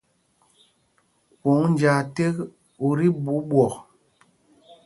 Kwòŋ njāā ték ú tí ɓuu ɓwɔk.